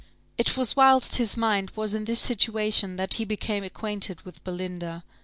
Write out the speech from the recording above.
It was whilst his mind was in this situation that he became acquainted with Belinda.